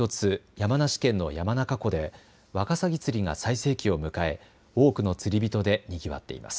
山梨県の山中湖でわかさぎ釣りが最盛期を迎え多くの釣り人でにぎわっています。